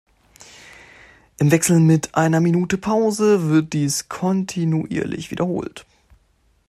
Im Wechsel mit einer Minute Pause wird dies kontinuierlich wiederholt.